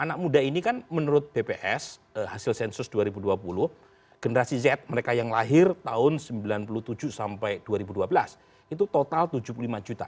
anak muda ini kan menurut bps hasil sensus dua ribu dua puluh generasi z mereka yang lahir tahun seribu sembilan ratus sembilan puluh tujuh sampai dua ribu dua belas itu total tujuh puluh lima juta